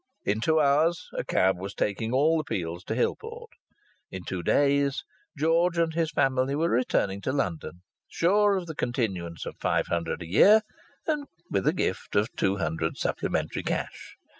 In two hours a cab was taking all the Peels to Hillport. In two days George and his family were returning to London, sure of the continuance of five hundred a year, and with a gift of two hundred supplementary cash.